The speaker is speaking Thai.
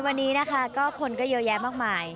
วันนี้นะคะก็คนก็เยอะแยะมากมาย